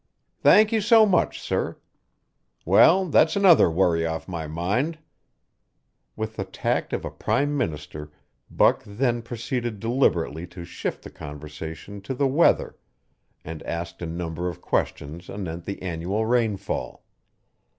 "Thank you so much, sir. Well, that's another worry off my mind." With the tact of a prime minister Buck then proceeded deliberately to shift the conversation to the weather and asked a number of questions anent the annual rainfall.